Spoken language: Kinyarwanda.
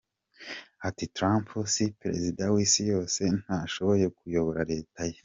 Ati "Trump si perezida w’isi yose, ntanashoboye kuyobora Leta ye,".